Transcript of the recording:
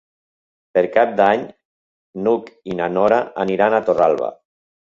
Per Cap d'Any n'Hug i na Nora aniran a Torralba.